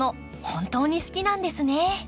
本当に好きなんですね。